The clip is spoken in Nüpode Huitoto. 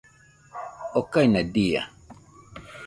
okaina dia